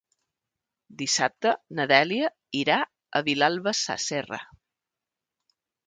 Dissabte na Dèlia irà a Vilalba Sasserra.